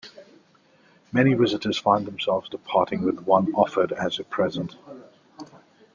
Many visitors find themselves departing with one offered as a present.